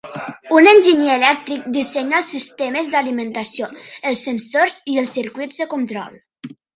Un enginyer elèctric dissenyava els sistemes d"alimentació, els sensors i els circuits de control.